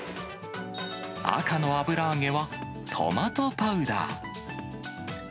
赤の油揚げはとまとパウダー。